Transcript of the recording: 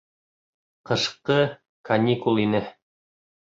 Ҡышҡы каникул ине.